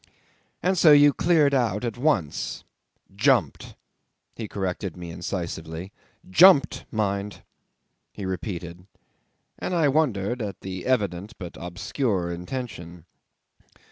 "And so you cleared out at once." '"Jumped," he corrected me incisively. "Jumped mind!" he repeated, and I wondered at the evident but obscure intention.